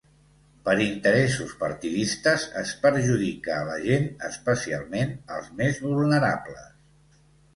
Per interessos partidistes es perjudica a la gent, especialment als més vulnerables.